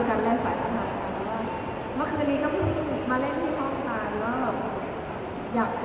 เขาจะบอกว่าเป็นแฝด